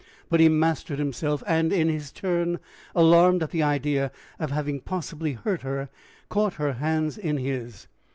But he mastered himself, and in his turn, alarmed at the idea of having possibly hurt her, caught her hands in his.